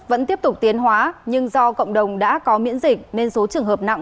tình huống tiếp tục tiến hóa nhưng do cộng đồng đã có miễn dịch nên số trường hợp nặng